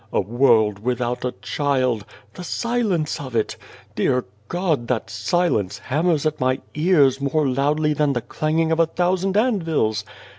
A world without a child ! The silence of it ! Dear God, that silence hammers at my ears more loudly than the clanging of a thousand anvils.